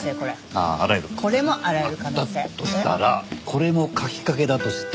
あっだとしたらこれも書きかけだとして。